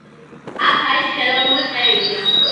აქა-იქ ხელოვნური ტყეებია.